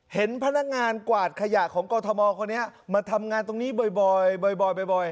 เห็นพนักงานกวาดขยะของกอทมคนนี้มาทำงานตรงนี้บ่อยบ่อยบ่อยบ่อย